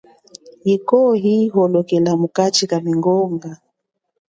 Yikwo, iyi holokela mukachi kamingonga.